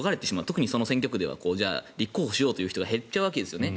特に、その選挙区では立候補しようという人が減っちゃうわけですよね。